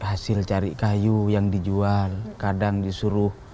dan apa apa juga itu